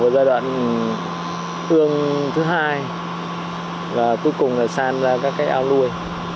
giai đoạn ương thứ hai và cuối cùng là san ra các cái ao nuôi